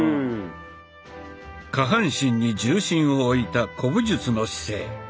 下半身に重心を置いた古武術の姿勢。